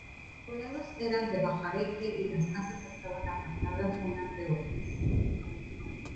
Sus poblados eran de bahareque y las casas estaban apartadas unas de otras.